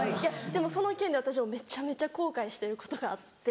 その件で私めちゃめちゃ後悔してることがあって。